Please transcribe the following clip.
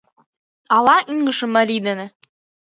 Ала ӱҥышӧ марий дене